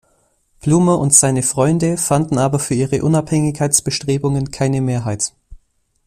Plumer und seine Freunde fanden aber für ihre Unabhängigkeitsbestrebungen keine Mehrheit.